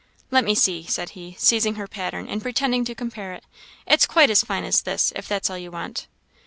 "Let me see," said he, seizing her pattern, and pretending to compare it; "it's quite as fine as this, if that's all you want."